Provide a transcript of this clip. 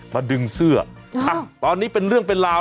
มาดึงเสื้อท่าน